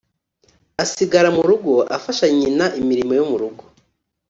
asigara mu rugo afasha nyina imirimo yo mu rugo